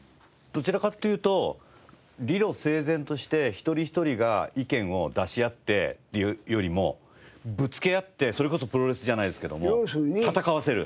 どちらかっていうと理路整然として一人一人が意見を出し合ってというよりもぶつけ合ってそれこそプロレスじゃないですけども戦わせる。